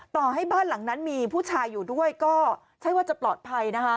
ต่อให้บ้านหลังนั้นมีผู้ชายอยู่ด้วยก็ใช่ว่าจะปลอดภัยนะคะ